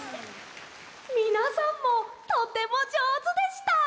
みなさんもとてもじょうずでした！